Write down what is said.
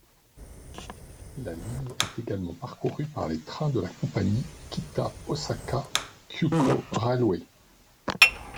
La ligne est également parcourue par les trains de la compagnie Kita-Osaka Kyuko Railway.